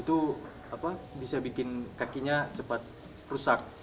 itu bisa bikin kakinya cepat rusak